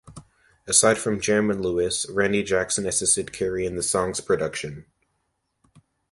Aside from Jam and Lewis, Randy Jackson assisted Carey in the song's production.